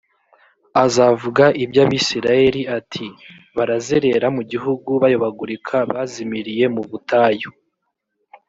azavuga iby abisirayeli ati barazerera mu gihugu bayobagurika bazimiriye mu butayu